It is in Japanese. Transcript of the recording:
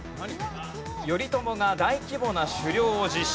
頼朝が大規模な狩猟を実施。